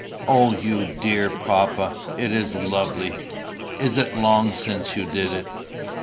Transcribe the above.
"O, you dear papa, it is lovely! Is it long since you did it?"